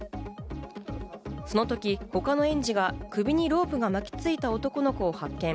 その時、他の園児が首にロープが巻きついた男の子を発見。